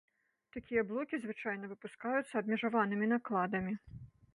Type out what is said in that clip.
Такія блокі звычайна выпускаюцца абмежаванымі накладамі.